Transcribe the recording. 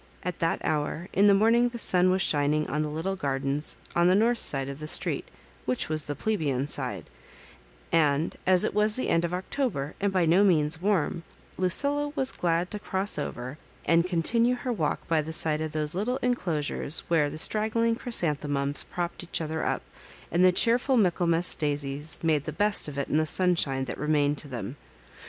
At that hour in the morning the sun was shin ing on the little gardens on the north side of the street, which was the plebeian side ; and as it was the end of October, and by no means warm, Lucilla was glad to cross over and continue her walk by the side of those little enclosures where the straggling chrysanthemums propped each other up, and the cheerful .Michaelmas daisies made the best of it in the sunshine that pemained to them.